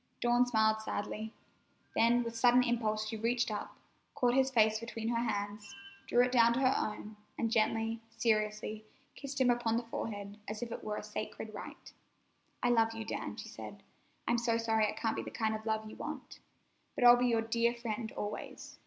Dawn smiled sadly. Then with sudden impulse she reached up, caught his face between her hands, drew it down to her own, and gently, seriously, kissed him upon the forehead as if it were a sacred rite. "I love you, Dan," she said. "I'm so sorry it can't be the kind of love you want. But I'll be your dear friend always.